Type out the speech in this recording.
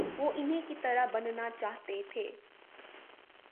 وہ انہی کی طرح بننا چاہتے تھے۔